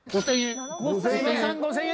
５０００円。